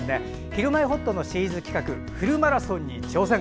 「ひるまえほっと」のシリーズ企画フルマラソンに挑戦。